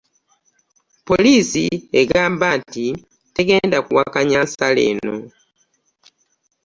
Poliisi egamba nti tegenda kuwakanya nsala eno